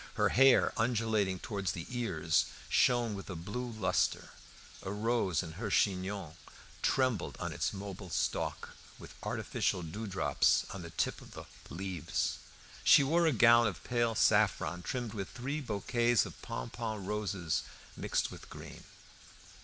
Her hair, undulating towards the ears, shone with a blue lustre; a rose in her chignon trembled on its mobile stalk, with artificial dewdrops on the tip of the leaves. She wore a gown of pale saffron trimmed with three bouquets of pompon roses mixed with green.